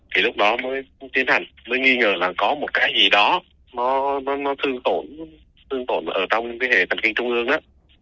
thì lúc đó mới tiến hành mới nghi ngờ là có một cái gì đó nó thương tổn thương tương tổn ở trong cái hệ thần kinh trung ương đó